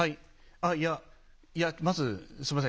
あっいやいやまずすいません